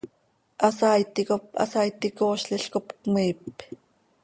Hasaaiti cop hasaaiti coozlil cop cömiip.